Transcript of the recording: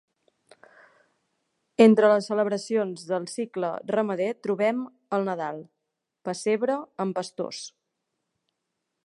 Entre les celebracions del cicle ramader trobem el Nadal: pessebre amb pastors.